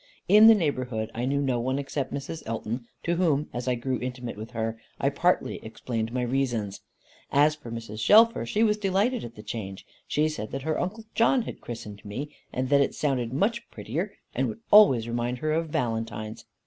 In the neighbourhood I knew no one except Mrs. Elton, to whom (as I grew intimate with her) I partly explained my reasons. As for Mrs. Shelfer, she was delighted at the change. She said that her Uncle John had christened me, that it sounded much prettier, and would always remind her of Valentines.